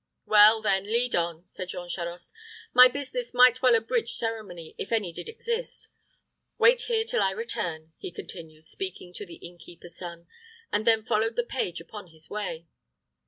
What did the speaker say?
"Well, then, lead on," said Jean Charost "My business might well abridge ceremony, if any did exist. Wait here till I return," he continued, speaking to the innkeeper's son; and then followed the page upon his way.